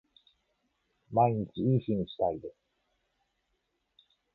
毎日いい日にしたいです